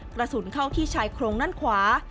กระสุนเข้าที่ชายโครงด้านขวา